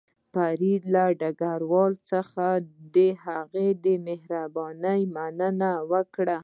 فریدګل له ډګروال څخه د هغه د مهربانۍ مننه وکړه